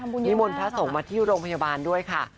นิมนต์พระสงฆ์มาที่โรงพยาบาลด้วยค่ะ